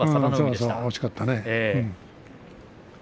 惜しかったね。